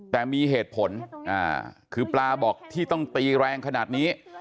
แต่มีเหตุผลคือปลาบอกที่ต้องตีแรงขนาดนี้